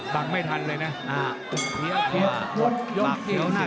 บังไม่ทันเลยนะ